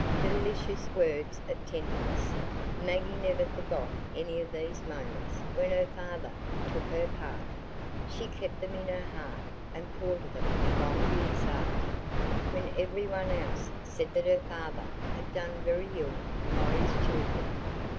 Delicious words of tenderness! Maggie never forgot any of these moments when her father "took her part"; she kept them in her heart, and thought of them long years after, when every one else said that her father had done very ill by his children.